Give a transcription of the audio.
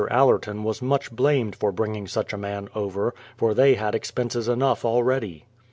Allerton was much blamed for bringing such a man over, for they had expenses enough already.